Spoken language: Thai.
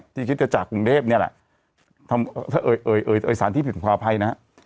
เนี่ยที่คิดจะจากกรุงเทพเนี่ยแหละเอ่ยเอ่ยเอ่ยสารที่ผิดความอภัยนะฮะ